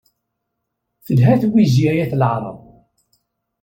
Telha twizi ay at leɛraḍ.